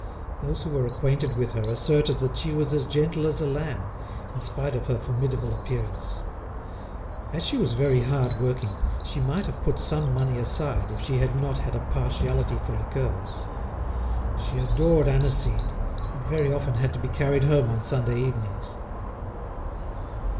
Those who were acquainted with her asserted that she was as gentle as a lamb, in spite of her formidable appearance. As she was very hard working, she might have put some money aside if she had not had a partiality for liqueurs. She adored aniseed, and very often had to be carried home on Sunday evenings.